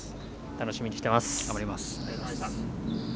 楽しみにしています。